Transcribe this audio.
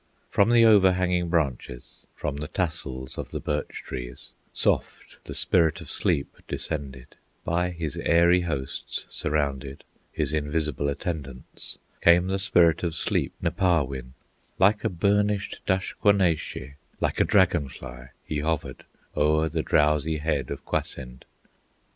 From the overhanging branches, From the tassels of the birch trees, Soft the Spirit of Sleep descended; By his airy hosts surrounded, His invisible attendants, Came the Spirit of Sleep, Nepahwin; Like a burnished Dush kwo ne she, Like a dragon fly, he hovered O'er the drowsy head of Kwasind.